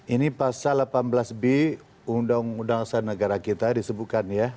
ini pasal delapan belas b undang undang dasar negara kita disebutkan ya